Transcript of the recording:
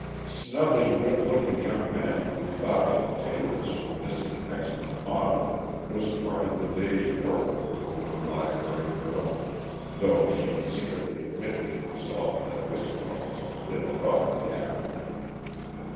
Snubbing good looking young men who thought that the tailors were missing an excellent model was part of the day's work with the little library girl though she secretly admitted to herself that this one was a bit above the average.